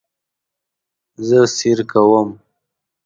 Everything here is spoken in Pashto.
زه سیر کوم